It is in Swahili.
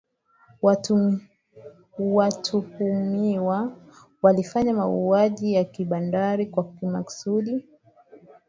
watuhumiwa walifanya mauaji ya kimbari kwa makusudi